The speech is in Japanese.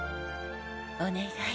お願い。